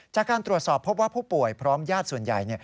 จากการตรวจสอบพบว่าผู้ป่วยพร้อมญาติส่วนใหญ่